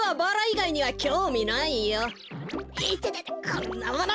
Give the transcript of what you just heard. こんなもの！